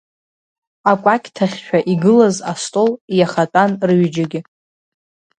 Акәакьҭахьшәа игылаз астол иахатәан рҩыџьагьы.